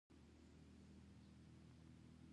کمې خبرې، د انسان ښه صفت دی.